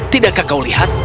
tidakkah kau lihat